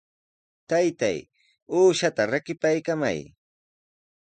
Taytay, uushaata rakipaykamay.